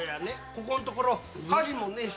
ここんところ火事もねえし。